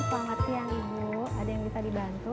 selamat siang ibu ada yang bisa dibantu